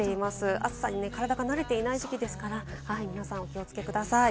暑さに体が慣れていない時期ですから、皆さん、お気をつけください。